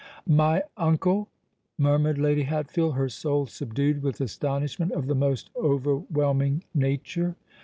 "My uncle!" murmured Lady Hatfield, her soul subdued with astonishment of the most overwhelming nature.